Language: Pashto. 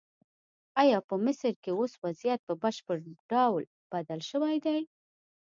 ایا په مصر کې اوس وضعیت په بشپړ ډول بدل شوی دی؟